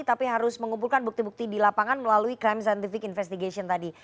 tapi harus mengumpulkan bukti bukti di lapangan melalui crime scientific investigation tadi